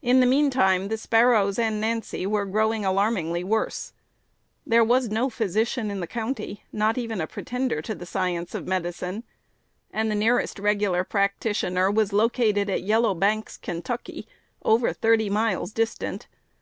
In the mean time the Sparrows and Nancy were growing alarmingly worse. There was no physician in the county, not even a pretender to the science of medicine; and the nearest regular practitioner was located at Yellow Banks, Ky., over thirty miles distant.